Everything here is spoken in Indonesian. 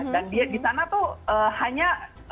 dan di sana tuh hanya